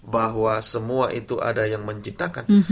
bahwa semua itu ada yang menciptakan